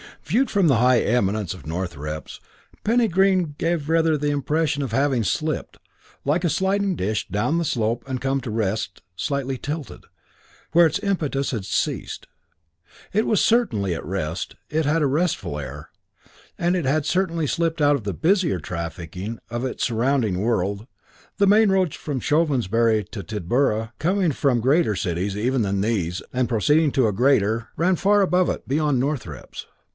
Viewed from the high eminence of Northrepps, Penny Green gave rather the impression of having slipped, like a sliding dish, down the slope and come to rest, slightly tilted, where its impetus had ceased. It was certainly at rest: it had a restful air; and it had certainly slipped out of the busier trafficking of its surrounding world, the main road from Chovensbury to Tidborough, coming from greater cities even than these and proceeding to greater, ran far above it, beyond Northrepps.